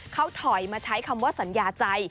เขาถอยมาใช้คำว่าสัญญาใจ